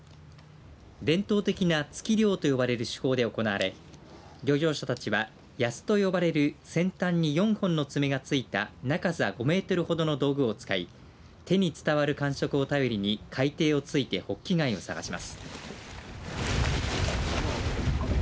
伝統的な突き漁と呼ばれる手法で行われ漁業者たちは、ヤスと呼ばれる先端に４本の爪がついた長さ５メートルほどの道具を使い手に伝わる感触を頼りに海底を突いてホッキ貝を探します。